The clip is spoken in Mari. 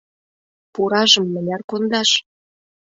— Пуражым мыняр кондаш?